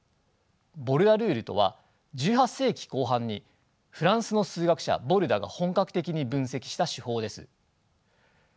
ボルダルールとは１８世紀後半にフランスの数学者ボルダが本格的に分析した手法です。